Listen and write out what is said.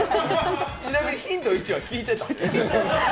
ちなみにヒント１は聞いてた？